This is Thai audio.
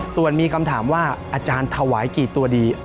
ส่วนมีคำถามว่าอาจารย์ถวายกี่ตัวดี